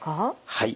はい。